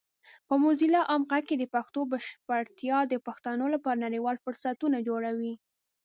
په موزیلا عام غږ کې د پښتو بشپړتیا د پښتنو لپاره نړیوال فرصتونه جوړوي.